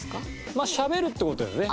まあしゃべるって事だよね。